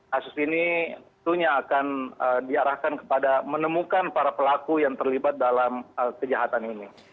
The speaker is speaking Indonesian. kasus ini tentunya akan diarahkan kepada menemukan para pelaku yang terlibat dalam kejahatan ini